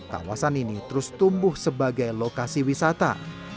mersani terus tumbuh sebagai lokasi wisata